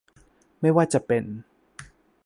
ไม่ว่าจะเป็น